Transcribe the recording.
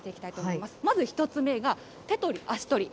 まず１つ目が、手取り足取り。